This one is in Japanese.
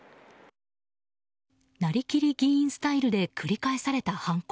なりきり議員スタイルで繰り返された犯行。